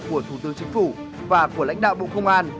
của thủ tướng chính phủ và của lãnh đạo bộ công an